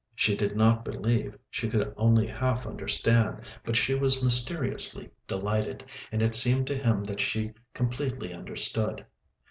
She did not believe, she could only half understand, but she was mysteriously delighted, and it seemed to him that she completely understood.